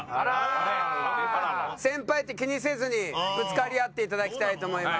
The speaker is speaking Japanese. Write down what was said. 先輩って気にせずにぶつかり合っていただきたいと思います。